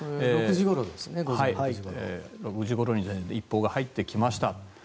６時ごろに一報が入ってきました。